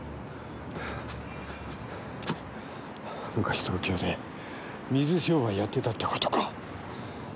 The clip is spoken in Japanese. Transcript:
昔東京で水商売やってたって事か。